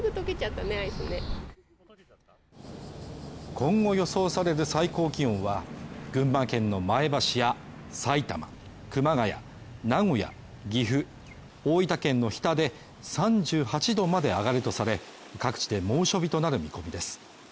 今後予想される最高気温は、群馬県の前橋やさいたま熊谷、名古屋、岐阜大分県の日田で３８度まで上がるとされ、各地で猛暑日となる見込みです。